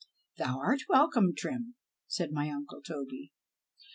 " Thou art welcome. Trim," said my uncle Toby.